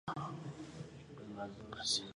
نجیب محفوظ له قاتل وپوښتل.